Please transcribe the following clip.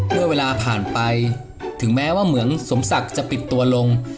เมื่อเวลาผ่านไปถึงแม้ว่าเหมืองสมศักดิ์จะปิดตัวลง